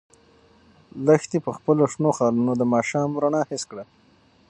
لښتې په خپلو شنو خالونو د ماښام رڼا حس کړه.